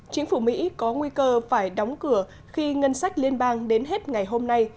chính phủ mỹ có nguy cơ phải đóng cửa khi ngân sách liên bang đến hết ngày hôm nay